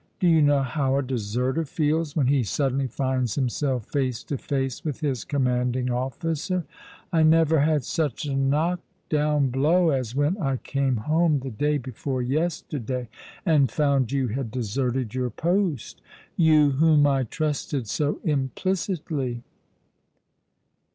Do you know how a deserter feels when he suddenly finds himself face to face with his commanding officer? I never had such a knock down blow as when I came home the day before yesterday and found you had deserted your post — you whom I trusted so implicitly."